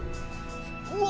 うわ！